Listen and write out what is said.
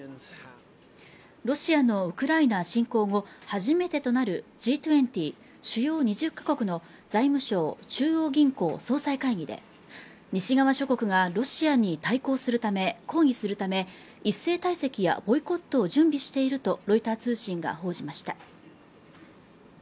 ロシアのウクライナ侵攻後初めてとなるＧ２０＝主要２０か国の財務相中央銀行総裁会議で西側諸国がロシアに抗議するため一斉退席やボイコットを準備しているとロイター通信が報じました